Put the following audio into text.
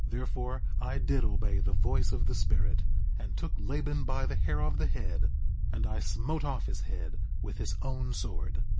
4:18 Therefore I did obey the voice of the Spirit, and took Laban by the hair of the head, and I smote off his head with his own sword.